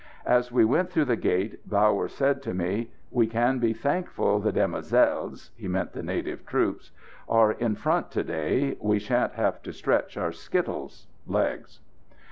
As we went through the gate, Bauer said to me: "We can be thankful the demoiselles he meant the native troops are in front to day; we shan't have to stretch our skittles (legs)."